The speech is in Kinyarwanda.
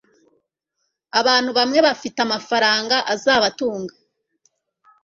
Abantu bamwe bafite amafaranga azabatunga